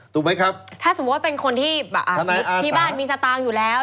ถูกไหมครับถ้าสมมุติว่าเป็นคนที่แบบที่บ้านมีสตางค์อยู่แล้ว